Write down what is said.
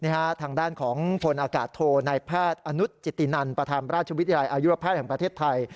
ทางด้านของพลอากาศโทนายแพทย์อนุจิตินันประธานราชวิทยาลัยอายุรแพทย์แห่งประเทศไทย